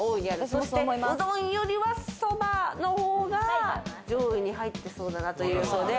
そして、うどんよりはそばのほうが上位に入ってそうだなという予想で。